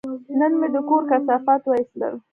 نن مې د کور کثافات وایستل.